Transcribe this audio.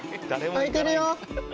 空いてるよ。